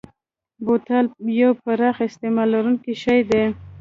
بوتل یو پراخ استعمال لرونکی شی دی.